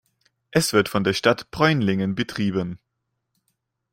Es wird von der Stadt Bräunlingen betrieben.